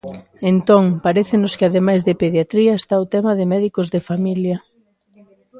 Entón, parécenos que ademais de pediatría está o tema de médicos de familia.